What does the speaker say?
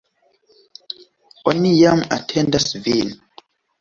Oni jam atendas vin!